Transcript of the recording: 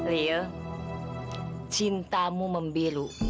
lila cintamu membiru